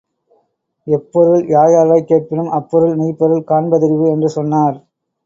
எப்பொருள் யார்யார்வாய்க் கேட்பினும் அப்பொருள் மெய்ப்பொருள் காண்ப தறிவு என்று சொன்னார்.